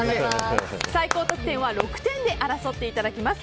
最高得点は６点で争っていただきます。